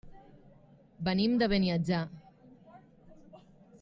Venim de Beniatjar.